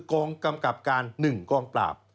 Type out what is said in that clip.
กองกำกับการ๑กองปราบ